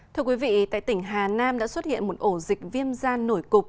thưa quý vị tại tỉnh hà nam đã xuất hiện một ổ dịch viêm da nổi cục